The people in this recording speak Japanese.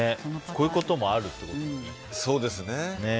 こういうこともあるってことだね。